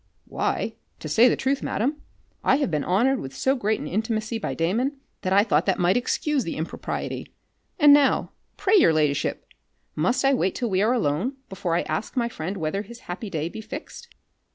"Why, to say the truth, madam, I have been honoured with so great an intimacy by Damon, that I thought that might excuse the impropriety. And now, pray your ladyship, must I wait till we are alone, before I ask my friend whether his happy day be fixed?"